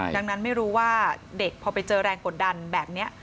ดังนั้นไม่รู้ว่าเด็กพอไปเจอแรงกดดันแบบนี้